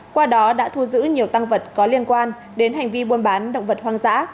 qua đó đã thu giữ nhiều tăng vật có liên quan đến hành vi buôn bán động vật hoang dã